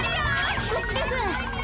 こっちです。